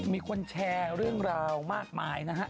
มีคนแชร์เรื่องราวมากมายนะฮะ